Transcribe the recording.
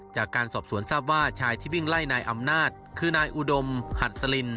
จากการสอบสวนทราบว่าชายที่วิ่งไล่นายอำนาจคือนายอุดมหัดสลิน